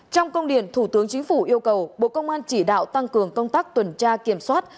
trong công điện thủ tướng chính phủ yêu cầu bộ công an chỉ đạo tăng cường công tác tuần tra kiểm soát